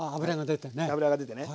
脂が出てね。